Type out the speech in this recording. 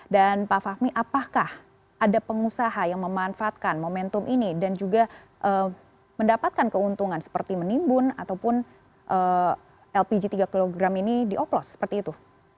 dan pak fahmi apakah ada pengusaha yang memanfaatkan momentum ini dan juga mendapatkan keuntungan seperti menimbun ataupun lpg tiga kg ini dioplos seperti itu